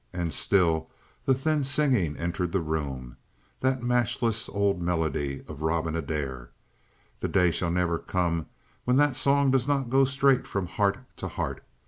And still the thin singing entered the room, that matchless old melody of "Robin Adair;" the day shall never come when that song does not go straight from heart to heart.